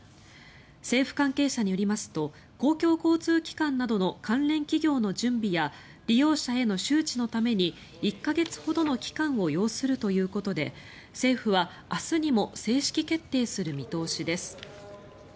政府関係者によりますと公共交通機関などの関連企業の準備や利用者への周知のために１か月ほどの期間を要するということで政府は明日にも正式決定する見通しです。